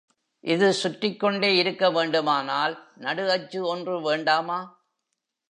இது சுற்றிக் கொண்டே இருக்க வேண்டுமானால் நடு அச்சு ஒன்று வேண்டாமா?